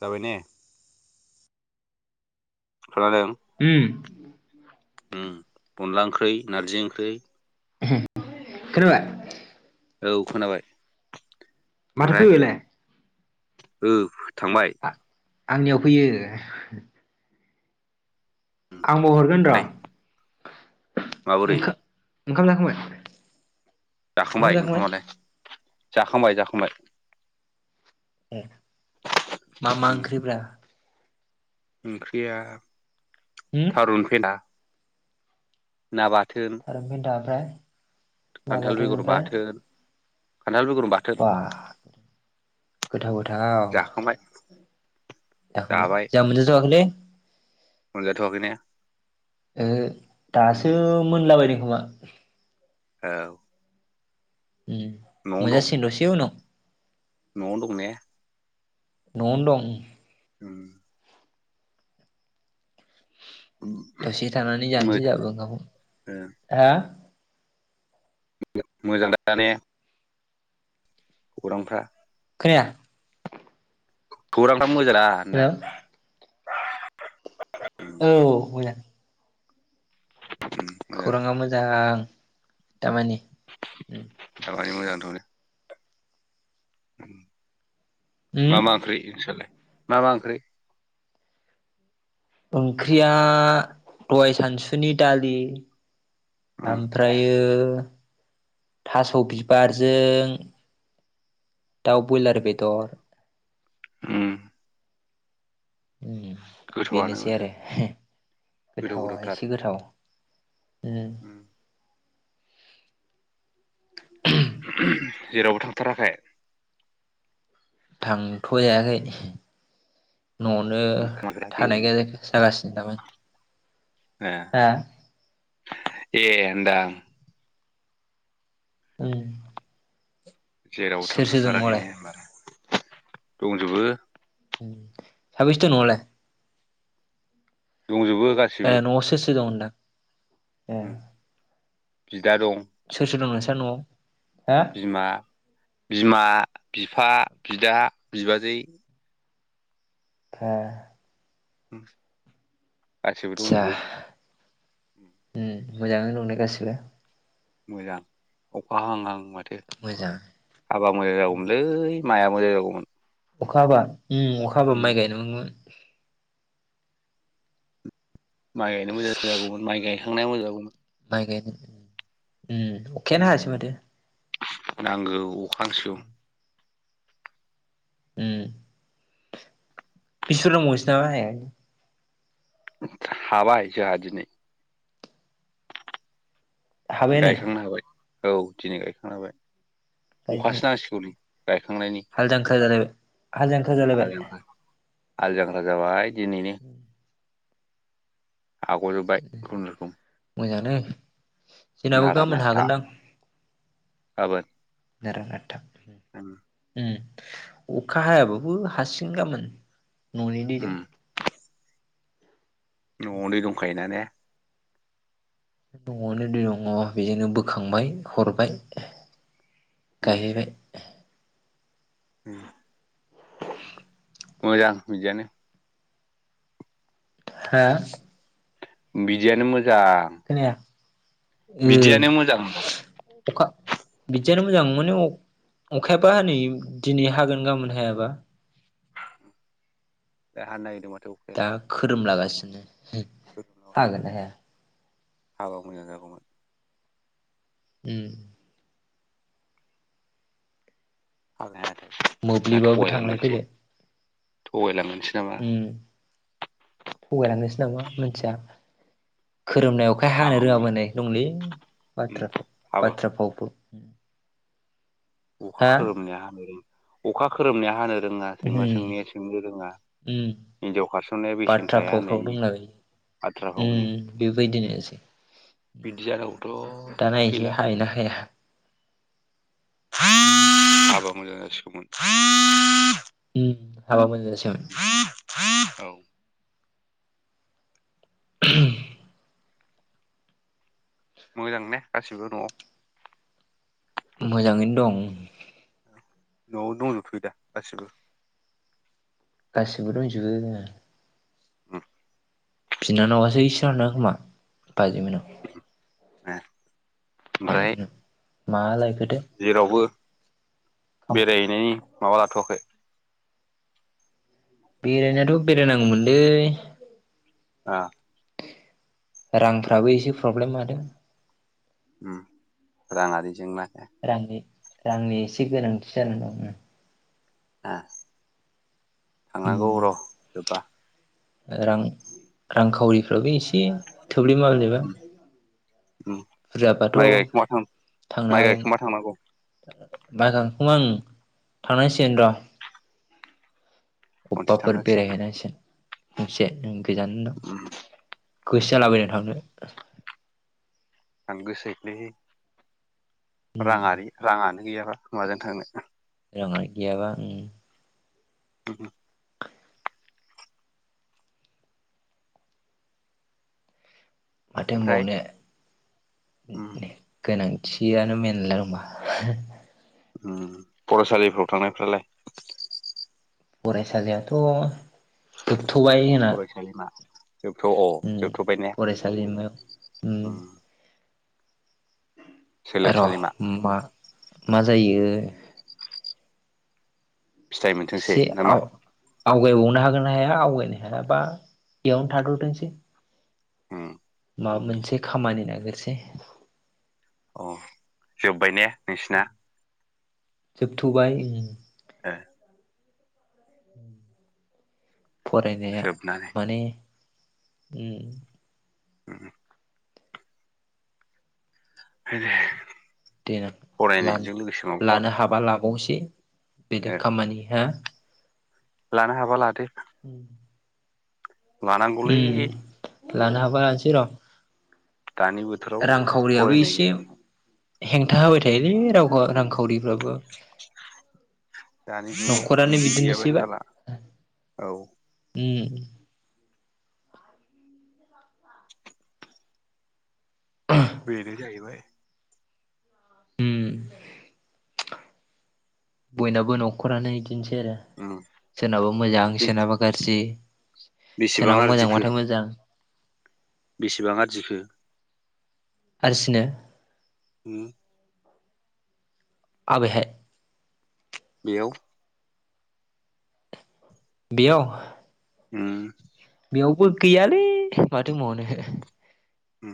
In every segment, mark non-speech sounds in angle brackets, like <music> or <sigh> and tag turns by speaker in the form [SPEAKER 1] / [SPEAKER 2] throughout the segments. [SPEAKER 1] जाबाय ने? खोनादों
[SPEAKER 2] उम
[SPEAKER 1] उम अनला ओंख्रै नारजि ओंख्रै
[SPEAKER 2] खोनाबाय?
[SPEAKER 1] औ खोनाबाय।
[SPEAKER 2] माथो
[SPEAKER 1] ओमफ्राय
[SPEAKER 2] फैबायलाय
[SPEAKER 1] ओ थांबाय
[SPEAKER 2] आंनियाव फैयो आंबो हरगोन र'
[SPEAKER 1] ओमफ्राय माबोरै?
[SPEAKER 2] ओंखा ओंखाम जाखांबाय?
[SPEAKER 1] जाखांबाय ओंखामालाय जाखांबाय जाखांबाय।
[SPEAKER 2] ए मा मा
[SPEAKER 1] उम
[SPEAKER 2] ओंख्रिब्रा?
[SPEAKER 1] ओंख्रिया
[SPEAKER 2] होम
[SPEAKER 1] थारुन फेना ना बा
[SPEAKER 2] थारुन फेनथा एमफ्राय
[SPEAKER 1] खान्थाल
[SPEAKER 2] नाबाथोन
[SPEAKER 1] बेगर
[SPEAKER 2] ओमफ्राय।
[SPEAKER 1] बाथोन खान्थाल बेगर बाथोन
[SPEAKER 2] बा गोथाव गोथाव।
[SPEAKER 1] जाखांबाय
[SPEAKER 2] जाखांबाय जोंहा मोनजाथ'आखैलै।
[SPEAKER 1] मोनजाथाखैने?
[SPEAKER 2] ओहो दासो मोनलाबायदों खोमा।
[SPEAKER 1] औ।
[SPEAKER 2] उम मोजासिगोन दसे उनाव।
[SPEAKER 1] न'आव दं ने?
[SPEAKER 2] न'यावनो दं।
[SPEAKER 1] <inaudible>
[SPEAKER 2] दसे थानानै
[SPEAKER 1] मो
[SPEAKER 2] जानोसै जाबो ओंखाम खौ
[SPEAKER 1] ओ
[SPEAKER 2] हा?
[SPEAKER 1] मोजां दा ने? खौरांफ्रा?
[SPEAKER 2] खोनाया।
[SPEAKER 1] खौरांफ्रा मोजांदा
[SPEAKER 2] हेल'
[SPEAKER 1] होनदां?
[SPEAKER 2] औ मोजां।
[SPEAKER 1] उम मोजां
[SPEAKER 2] खौराङा मोजां। दामानि उम।
[SPEAKER 1] दामानि मोजांथ'नो उम मा
[SPEAKER 2] उम
[SPEAKER 1] मा ओंख्रि नोंस्रालाय मा मा ओंख्रि
[SPEAKER 2] ओंख्रिया दहाय सानसुनि दालि
[SPEAKER 1] उम
[SPEAKER 2] ओमफ्रायो थास' बिबारजों दाउ बयलार बेदर
[SPEAKER 1] उम
[SPEAKER 2] उम
[SPEAKER 1] गोथावआनो
[SPEAKER 2] बेनोसै
[SPEAKER 1] माथो
[SPEAKER 2] आरो हे
[SPEAKER 1] गोदाव
[SPEAKER 2] गोथावा
[SPEAKER 1] गोदावथार
[SPEAKER 2] एसे गोथाव उम
[SPEAKER 1] जेरावबो थांथाराखै
[SPEAKER 2] थांथ' जायाखै न'आवनो थानाय गाय जागासिनो दामानि
[SPEAKER 1] ए
[SPEAKER 2] हा
[SPEAKER 1] ए होनदां
[SPEAKER 2] उम
[SPEAKER 1] जेराव
[SPEAKER 2] सोर सोर दं
[SPEAKER 1] थांथराखै
[SPEAKER 2] न'आवलाय
[SPEAKER 1] ने होनबा दंजोबो
[SPEAKER 2] उम साबैसे दं नआवलाय
[SPEAKER 1] दंजोबो
[SPEAKER 2] ओ
[SPEAKER 1] गासिबो
[SPEAKER 2] नयाव सोर सोर दं होनदां ए
[SPEAKER 1] उम बिदा दं
[SPEAKER 2] सोर सोर दं नोंस्रा न'आव? हा
[SPEAKER 1] बिमा बिमा बिफा बिदा बिबाजै।
[SPEAKER 2] उमफ्राय
[SPEAKER 1] उम गासिबो
[SPEAKER 2] आदसा
[SPEAKER 1] दंजोबो
[SPEAKER 2] उम मोजाङै दंना गासिबो
[SPEAKER 1] मोजां अखा हांहां माथो
[SPEAKER 2] मोजां
[SPEAKER 1] हाबा मोजां जागौमोनलै माया मोजां जागौमोन
[SPEAKER 2] अखा हाबा उम अखा हाबा माइ गायनो मोनगौमोन
[SPEAKER 1] माइ गायनो मोजां जागौमोन माइ गायखांनाया मोजां जागौमोन
[SPEAKER 2] माइ गायनो उम
[SPEAKER 1] उम
[SPEAKER 2] अखायानो हायासै माथो।
[SPEAKER 1] नांगौ अखांसौ।
[SPEAKER 2] उम बिसि बुरजा दंबावसै नोंसिना हाया
[SPEAKER 1] हाबाय जोंहा दिनै
[SPEAKER 2] हाबायानो
[SPEAKER 1] गायखांनो हाबाय औ दिनै गायखांनो हाबाय
[SPEAKER 2] गायजेननो
[SPEAKER 1] अखासो नांसिगौ नै गायखांनायनि
[SPEAKER 2] हाल जांख्रा जालायबाय हाल जांख्रा जालायबाय
[SPEAKER 1] आलौ अखा हाल जांख्रा जाबाया दिनैनो हाग'जोबबाय खुनुरुखुम
[SPEAKER 2] नै जोंनाबो
[SPEAKER 1] नारा
[SPEAKER 2] गाबोन हागोनदां
[SPEAKER 1] आबाद
[SPEAKER 2] नारा नाथा अखा हायाबाबो हासिगोन गामोन न'नि दैजों
[SPEAKER 1] उम न'आवनो दंखायोना ने
[SPEAKER 2] न'आवनो दङ बेजोंनो बोखांबाय हरबाय
[SPEAKER 1] उम
[SPEAKER 2] गायहैबाय
[SPEAKER 1] उम
[SPEAKER 2] <inaudible>
[SPEAKER 1] मोजां बिदियानो
[SPEAKER 2] हा
[SPEAKER 1] बिदियानो मोजां
[SPEAKER 2] खोनाया ओ
[SPEAKER 1] बिदियानो मोजांदों
[SPEAKER 2] अखा बिदियानो मोजां माने अखायाबा हनै दिनै हागोन गाबोन हायाबा
[SPEAKER 1] दा हानो नायगिरदों माथो।
[SPEAKER 2] दा
[SPEAKER 1] अखायालाय
[SPEAKER 2] खोरोमलागासिनो हागोन ना हाया
[SPEAKER 1] हाबा मोजां जागौमोन।
[SPEAKER 2] उम
[SPEAKER 1] <inaudible> ना
[SPEAKER 2] मोब्लिबाबो थांलाय
[SPEAKER 1] थगायलांगोनसो
[SPEAKER 2] फैलाय
[SPEAKER 1] थगायलांगोनसो नामा
[SPEAKER 2] थगायलांगोनसो नामा माथिया खोरोमनाया वखाय हानो
[SPEAKER 1] हाबा मोजां
[SPEAKER 2] रोङाबोनाय दंलै
[SPEAKER 1] उम
[SPEAKER 2] बाथाव
[SPEAKER 1] हाबा
[SPEAKER 2] बाथ्रा फाव
[SPEAKER 1] अखा खोरोमनाया हानो र अखा खोरोमनाया हानो रोङा सैमा
[SPEAKER 2] उम
[SPEAKER 1] सोंनिया सोंनो रोङा
[SPEAKER 2] उम
[SPEAKER 1] हिनजाव खारसननाया बेसेन
[SPEAKER 2] बाथ्रा
[SPEAKER 1] थाया
[SPEAKER 2] फावफ्राव
[SPEAKER 1] होननायनि
[SPEAKER 2] दंलाबायो
[SPEAKER 1] बाथ्रा फावनि
[SPEAKER 2] उम बेबायदिनोसै
[SPEAKER 1] बिदि जानांगौथ'
[SPEAKER 2] दाना एसै
[SPEAKER 1] गैला
[SPEAKER 2] हायो ना हाया उम
[SPEAKER 1] हाबा मोजां जासिगौमोन।
[SPEAKER 2] उम हाबा मोजां जासिगोन
[SPEAKER 1] औ
[SPEAKER 2] <inaudible>
[SPEAKER 1] मोजां ने गासिबो न'आव?
[SPEAKER 2] मोजाङैनो दं।
[SPEAKER 1] न'आव दंजोबथयोदा गासिबो
[SPEAKER 2] गासैबो दंजोबो दंनाया
[SPEAKER 1] <inaudible>
[SPEAKER 2] बिनानावआसो इसानाव थांदों खोमा बाजै मोननाव आनै
[SPEAKER 1] ओमफ्राय
[SPEAKER 2] मोननाव <unintelligible>
[SPEAKER 1] जेरावबो
[SPEAKER 2] खामानि
[SPEAKER 1] बेरायहैनायनि माबा लाथ'वाखै
[SPEAKER 2] बेरायनायाथ' बेरायनांगौमोनलै।
[SPEAKER 1] ओ
[SPEAKER 2] रांफ्राबो एसे प्रब्लेम लादों
[SPEAKER 1] राङारि जेंना ए
[SPEAKER 2] रांनि रांनि एसे गोनांथि जानानै दं।
[SPEAKER 1] थांनांगौ
[SPEAKER 2] उम
[SPEAKER 1] र' जोबबा
[SPEAKER 2] रां रांखावरिफ्राबो एसे थोब्ले माब्लेबा
[SPEAKER 1] उम उम
[SPEAKER 2] बुरजाबाथ'
[SPEAKER 1] माइ गायखोमा थां
[SPEAKER 2] थांनो
[SPEAKER 1] माइ गायखोमा थांनांगौ
[SPEAKER 2] हागौमोन। <unintelligible> थांनांसिगोन र'
[SPEAKER 1] खनसे
[SPEAKER 2] अबेबाफोर
[SPEAKER 1] थांनांसिगोन
[SPEAKER 2] बेरायहैनांसिगोन बुंसे नों गोजाननो
[SPEAKER 1] उम
[SPEAKER 2] गोसो जालाबायो थांनो
[SPEAKER 1] थांनो गोसोलै
[SPEAKER 2] उम
[SPEAKER 1] राङारि रां गैयाब्ला माजों थांनो।
[SPEAKER 2] गैयाबा
[SPEAKER 1] <inaudible> ओमफ्राय
[SPEAKER 2] माथोबावनो
[SPEAKER 1] उम
[SPEAKER 2] गोनांथि थियानो मेनला हबा।
[SPEAKER 1] फरायसालिफ्राव थांनायफ्रालाय?
[SPEAKER 2] फरायसालियाथ' जोबथ'बाय होनना।
[SPEAKER 1] फरायसालिमा जोबथ' अ जोबथ'बाय ने।
[SPEAKER 2] फरायसालिमायाव उम र'
[SPEAKER 1] सोलोंसालिमा
[SPEAKER 2] मा मा जायो।
[SPEAKER 1] फिथाइ मोनथोंसै
[SPEAKER 2] एसे
[SPEAKER 1] नामा।
[SPEAKER 2] आव आवगायबावनो हागोन ना हाया आवगायनो हायाबा बेयावनो थाथ' थोंसै।
[SPEAKER 1] ह।
[SPEAKER 2] माबा मोनसे खामानि नागिरसै।
[SPEAKER 1] औ जोब्बाय ने नोंसिना?
[SPEAKER 2] जोब थ' बाय।
[SPEAKER 1] ह।
[SPEAKER 2] फरायनाया
[SPEAKER 1] जोबनानै
[SPEAKER 2] माने ओ
[SPEAKER 1] <inaudible> आरो दे। <unintelligible>
[SPEAKER 2] देनां
[SPEAKER 1] माबि
[SPEAKER 2] लानो हाबा ला अबसे
[SPEAKER 1] ओ
[SPEAKER 2] बेलेक खामानिया।
[SPEAKER 1] लानो हाबा लादो।
[SPEAKER 2] उ।
[SPEAKER 1] लानांगौलै।
[SPEAKER 2] लानो हाबा लानोसै र'
[SPEAKER 1] दानि बोथोराव
[SPEAKER 2] रांखावरियाबो
[SPEAKER 1] फरायनाय
[SPEAKER 2] एसे
[SPEAKER 1] गै
[SPEAKER 2] हेंथा होबाय थायोलै राव रांखावरि। मबो। <unintelligible>
[SPEAKER 1] दानि जुगाव
[SPEAKER 2] न'खरानो
[SPEAKER 1] बिदि गैयाबानो
[SPEAKER 2] बिदिनोसैबा
[SPEAKER 1] जाला औ
[SPEAKER 2] उ उ। <unintelligible>
[SPEAKER 1] बेनो जाहैबाय
[SPEAKER 2] उम। बयनाबो न'खरानो बिदिनोसै आरो
[SPEAKER 1] उम
[SPEAKER 2] सोरनाबा मोजां
[SPEAKER 1] बे
[SPEAKER 2] सोरनाबा गाज्रि।
[SPEAKER 1] बेसेबां
[SPEAKER 2] सोरनाबा
[SPEAKER 1] आरजिखो
[SPEAKER 2] मोजांबाथाय मोजां।
[SPEAKER 1] बेसेबां आरजिखो!
[SPEAKER 2] आरसिनो।
[SPEAKER 1] ओ
[SPEAKER 2] आबेहाय।
[SPEAKER 1] बेयाव।
[SPEAKER 2] बियाव।
[SPEAKER 1] ह
[SPEAKER 2] बेवबो गैयालै माथो बुंबावनो
[SPEAKER 1] उम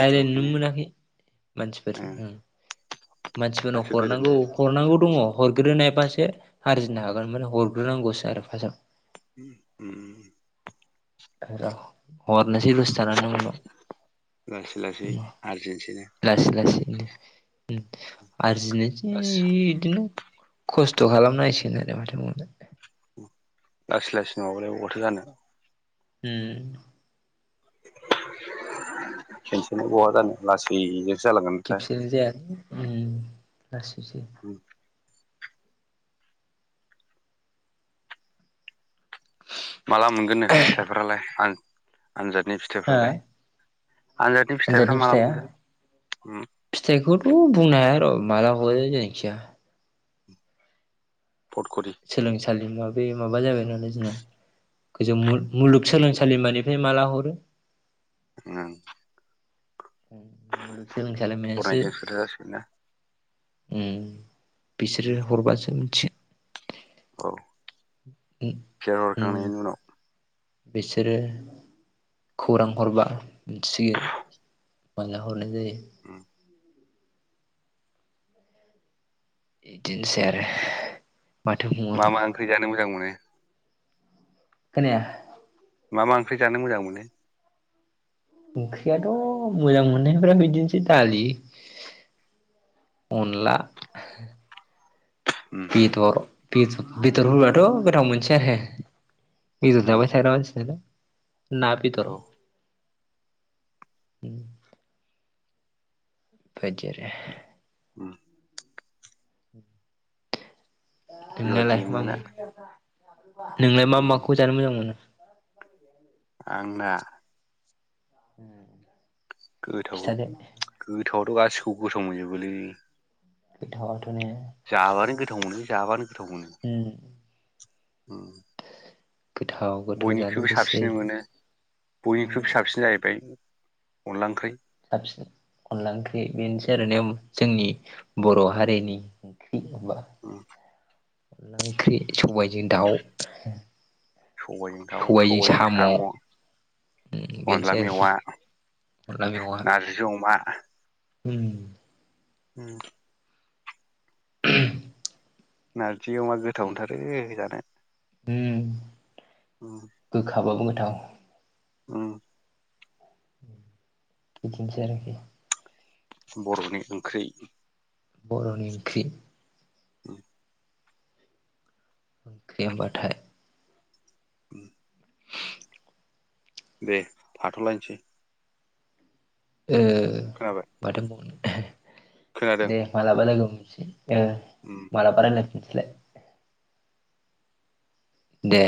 [SPEAKER 2] राय्लाय नोनो मोनाखै मानसिफोरजों।
[SPEAKER 1] ओं
[SPEAKER 2] ओ मानसिफोरनाव
[SPEAKER 1] दासो गोदान
[SPEAKER 2] हरनांगौ
[SPEAKER 1] जायो
[SPEAKER 2] हरनांगौ दङ हरग्रदोनाय‌ से आरजिनो हागोन माने हरग्रोनांगौसो आरो फार्टआव।
[SPEAKER 1] <inaudible>
[SPEAKER 2] हरनोसै दसे थानानै उनाव।
[SPEAKER 1] लासै लासै आरजेनटिना
[SPEAKER 2] लासै लासैनो आरजिनोसै बिदिनो। खस्थ' खालामनायसनोे माथो बुंबावनो।
[SPEAKER 1] लासै लासै नङाबालाय बबावबाथ' जानो।
[SPEAKER 2] उम।
[SPEAKER 1] खनसेनो बहा जानो लासैनो
[SPEAKER 2] खेफसेनो जाया उम लासैसो।
[SPEAKER 1] माला मोनगोननो फिथाइफ्रालाय आं आनजादनि
[SPEAKER 2] हो
[SPEAKER 1] फिथाइफ्रालाय। फिथाइफ्रा
[SPEAKER 2] आनजादनि
[SPEAKER 1] माला
[SPEAKER 2] फिथाइया
[SPEAKER 1] मोनगोन उम
[SPEAKER 2] फिथाइखौथ' बुंनो हाया र' माला हगारो जायखिया।
[SPEAKER 1] फटखरि
[SPEAKER 2] सोलोंसालि माबे माबा जागोन आरो जोंना। गोजौ मु मुलुगसोलोंसालिमानिफ्राय माला हरो।
[SPEAKER 1] ओं
[SPEAKER 2] सोलोंसालिनिफ्रायसो।
[SPEAKER 1] हरनायजोंसो खोथा जासिगोन ना
[SPEAKER 2] उम बिसोरो
[SPEAKER 1] उम
[SPEAKER 2] हरबासो मिथिगोन।
[SPEAKER 1] औ फेर
[SPEAKER 2] उम
[SPEAKER 1] हरखांनायनि उनाव।
[SPEAKER 2] बिसोरो खौरां हरबा मिथिगोन माला हरनाय जायो।
[SPEAKER 1] उम
[SPEAKER 2] बिदिनोसै आरो माथो
[SPEAKER 1] मा
[SPEAKER 2] बुंबावनो।
[SPEAKER 1] मा ओंख्रि जानो मोजां मोनो
[SPEAKER 2] खोनाया?
[SPEAKER 1] मा मा ओंख्रि जानो मोजां मोनो?
[SPEAKER 2] ओंख्रियाथ' मोजां मोननायफ्रा बिदिनोसै दालि? अनला।
[SPEAKER 1] उम
[SPEAKER 2] बेदर बेदर होबाथ' गोथाव मोनसै आरो। बेदर
[SPEAKER 1] उम
[SPEAKER 2] जाबायथाग्रा मानसिनालाय। ना बेदर।
[SPEAKER 1] औ
[SPEAKER 2] बायदि आरो।
[SPEAKER 1] उम
[SPEAKER 2] नोंनायालाय मा
[SPEAKER 1] बेबायदिजोंनो ना
[SPEAKER 2] ओंख्रि? नोंलाय मा
[SPEAKER 1] उम
[SPEAKER 2] माखौ जानो मोजां मोनो?
[SPEAKER 1] आंना
[SPEAKER 2] <unintelligible>
[SPEAKER 1] गोथाव
[SPEAKER 2] खिथादो
[SPEAKER 1] गोथाव आथ' गासिखौबो गोथाव मोनजोबोलै।
[SPEAKER 2] गोथावाथ'नो।
[SPEAKER 1] जाबानो गोथाव मोनो जाबानो गोथाव मोनो
[SPEAKER 2] हुम
[SPEAKER 1] उम
[SPEAKER 2] गोथाव जानो
[SPEAKER 1] बयनिख्रुइबो
[SPEAKER 2] गोसो
[SPEAKER 1] साबसिन मोनो
[SPEAKER 2] उम
[SPEAKER 1] बयनिख्रुइबो साबसिन जाहैबाय अनला ओंख्रि।
[SPEAKER 2] साबसिन अनला ओंख्रि बेनोसै आरो जोंनि बर' हारिनि होनबा
[SPEAKER 1] औ
[SPEAKER 2] अनला ओंख्रि सबायाइजों दाउ।
[SPEAKER 1] सबायाइजों दाव
[SPEAKER 2] सबायजों
[SPEAKER 1] सबाइजों
[SPEAKER 2] साम'
[SPEAKER 1] साम'। अनला
[SPEAKER 2] बेनोसै आरोखि
[SPEAKER 1] मेवा नारजि अमा।
[SPEAKER 2] हम
[SPEAKER 1] <unintelligible>
[SPEAKER 2] <unintelligible>
[SPEAKER 1] नारजि अमा गोथाव मोनथारो जानो।
[SPEAKER 2] उम
[SPEAKER 1] उम
[SPEAKER 2] गोखाबाबो गोथाव।
[SPEAKER 1] उम।
[SPEAKER 2] बेदिनसै आरोखि।
[SPEAKER 1] बर'नि ओंख्रि।
[SPEAKER 2] बर'नि ओंख्रि।
[SPEAKER 1] उम।
[SPEAKER 2] ओंख्रि होमबाथाय
[SPEAKER 1] उम। दे थाथ'लायनोसै।
[SPEAKER 2] ए
[SPEAKER 1] खोनाबाय
[SPEAKER 2] माथो
[SPEAKER 1] खोनादों
[SPEAKER 2] दे मालाबा लोगो मोनफिननोसै
[SPEAKER 1] उम
[SPEAKER 2] मालाबा रायज्लाय फिननोसैलाय। दे।